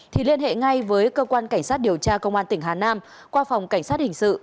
thì liên hệ ngay với cơ quan cảnh sát điều tra công an tỉnh hà nam qua phòng cảnh sát hình sự